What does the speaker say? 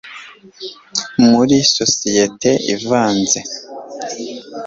muri sosiyete ivanze